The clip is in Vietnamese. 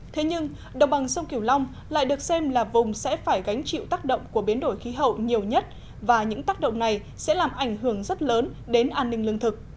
thế nhưng đồng bằng sông kiểu long lại được xem là vùng sẽ phải gánh chịu tác động của biến đổi khí hậu nhiều nhất và những tác động này sẽ làm ảnh hưởng rất lớn đến an ninh lương thực